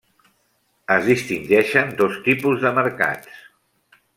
Es distingeixen dos tipus de mercats.